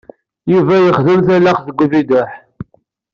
Yuba yexdem talaxt deg ubiduḥ.